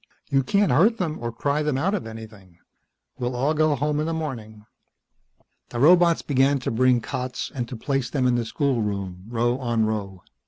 You can't hurt them or cry them out of anything. We'll all go home in the morning." The robots began to bring cots and to place them in the schoolroom, row on row.